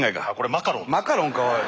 マカロンかおい。